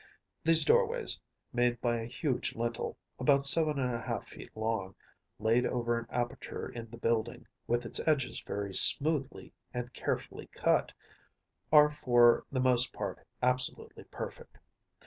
These doorways, made by a huge lintel, about seven and a half feet long, laid over an aperture in the building, with its edges very smoothly and carefully cut, are for the most part absolutely perfect.